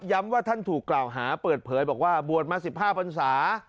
ว่าท่านถูกกล่าวหาเปิดเผยบอกว่าบวชมา๑๕พันศา